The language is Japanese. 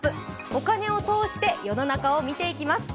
お金を通して世の中を見ていきます。